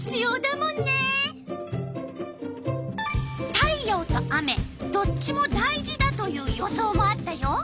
太陽と雨どっちも大事だという予想もあったよ。